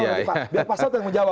biar pasal itu yang menjawab